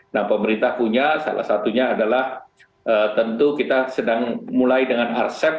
nah pemerintah punya salah satunya adalah tentu kita sedang mulai dengan harsep